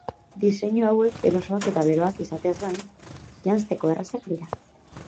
Diseinu hauek erosoak eta beroak izateaz gain, janzteko errazak dira.